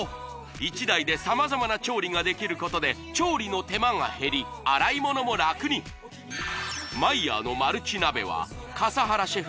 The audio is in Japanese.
１台で様々な調理ができることで調理の手間が減り洗い物も楽にＭＥＹＥＲのマルチ鍋は笠原シェフ